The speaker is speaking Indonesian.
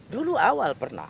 dulu awal pernah